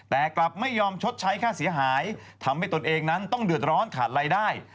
แต่กลับไม่ยอมชดใช้ค่าเสียหายทำให้ตนเองนั้นต้องเดือดร้อนขาดรายได้